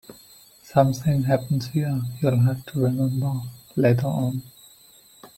Something happens here you'll have to remember later on.